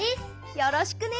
よろしくね！